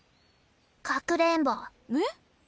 かくれんぼえっ？